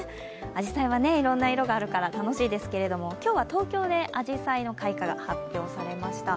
あじさいはいろんな色があるから楽しいですけれども、今日は東京で、あじさいの開花が発表されました。